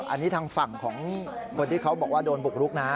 อันนี้ทางฝั่งของคนที่เขาบอกว่าโดนบุกรุกนะ